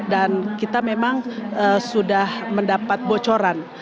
dan kita memang sudah mendapat bocoran